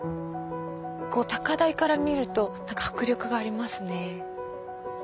高台から見ると迫力がありますね。